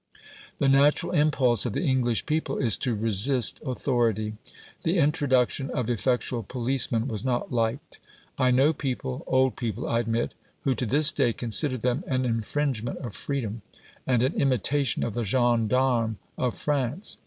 The natural impulse of the English people is to resist authority. The introduction of effectual policemen was not liked; I know people, old people, I admit, who to this day consider them an infringement of freedom, and an imitation of the gendarmes of France.